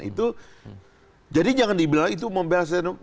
itu jadi jangan dibilang itu membela setia novanto